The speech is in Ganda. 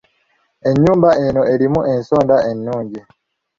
Ennyumba eno erimu ensonda ennungi.